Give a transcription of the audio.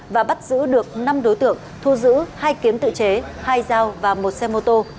và bắt giữ được năm đối tượng thu giữ hai kiếm tự chế hai dao và một xe mô tô